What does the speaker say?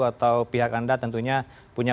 atau pihak anda tentunya punya